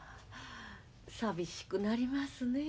寂しくなりますねえ。